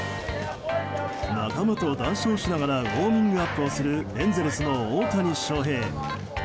仲間と談笑しながらウォーミングアップをするエンゼルスの大谷翔平。